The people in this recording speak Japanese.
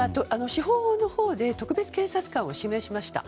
司法のほうで特別検察官を指名しました。